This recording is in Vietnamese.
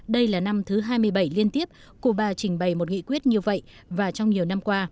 đây là năm thứ hai mươi bảy liên tiếp cuba trình bày một nghị quyết như vậy và trong nhiều năm qua